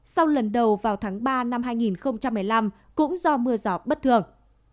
sau lần đầu vào tháng ba năm hai nghìn một mươi năm cũng do mưa gió bất thường